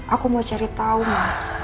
aku mau cari tahu ma